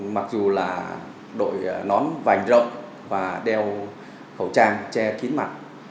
mặc dù là đội nón vành rộng và đeo khẩu trang che kín mặt